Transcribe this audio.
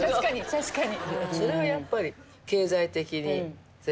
確かに。